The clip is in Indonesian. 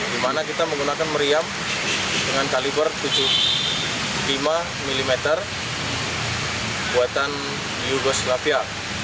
di mana kita menggunakan meriam dengan kaliber tujuh puluh lima mm buatan yugoslavia